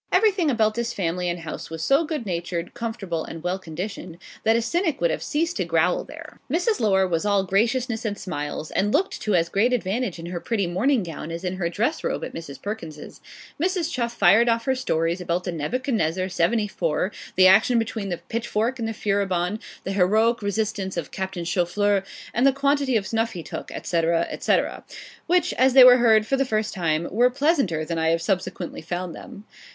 Everything about this family and house was so good natured, comfortable, and well conditioned, that a cynic would have ceased to growl there. Mrs. Laura was all graciousness and smiles, and looked to as great advantage in her pretty morning gown as in her dress robe at Mrs. Perkins's. Mrs. Chuff fired off her stories about the 'Nebuchadnezzar,' 74, the action between the 'Pitchfork' and the 'Furibonde' the heroic resistance of Captain Choufleur, and the quantity of snuff he took, &c. &c. which, as they were heard for the first time, were pleasanter than I have subsequently found them.